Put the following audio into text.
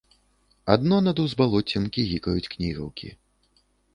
Адно над узбалоццем кігікаюць кнігаўкі.